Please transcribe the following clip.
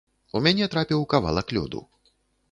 У мяне трапіў кавалак лёду.